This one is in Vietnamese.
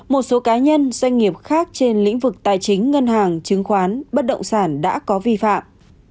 một số cá nhân doanh nghiệp khác trên lĩnh vực tài chính ngân hàng chứng khoán bất động sản đã có vi phạm